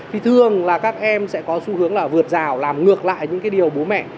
thì thường là các em sẽ có xu hướng là vượt rào làm ngược lại những cái điều bố mẹ